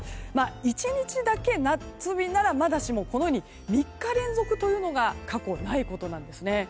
１日だけ夏日ならまだしもこのように３日連続というのが過去、ないことなんですね。